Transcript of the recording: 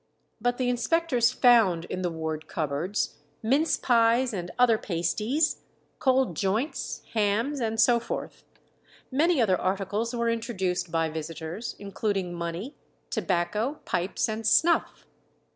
But the inspectors found in the ward cupboards mince pies and other pasties, cold joints, hams, and so forth. Many other articles were introduced by visitors, including money, tobacco, pipes, and snuff.